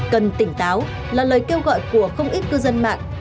cần tỉnh táo là lời kêu gọi của không ít cư dân mạng